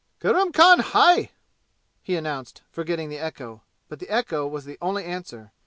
"Kurram Khan hai!" he announced, forgetting the echo. But the echo was the only answer.